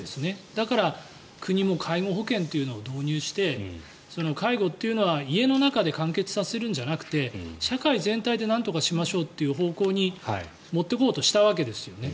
だから、国も介護保険というのを導入して介護というのは家の中で完結させるんじゃなくて社会全体でなんとかしましょうという方向に持っていこうとしたわけですね。